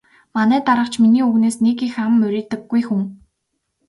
Манай дарга ч миний үгнээс нэг их ам мурийдаггүй хүн.